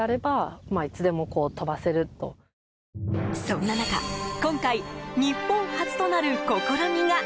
そんな中今回、日本初となる試みが！